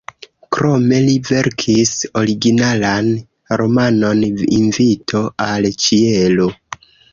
Krome li verkis originalan romanon "Invito al ĉielo".